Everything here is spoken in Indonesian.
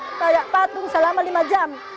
supaya patung selama lima jam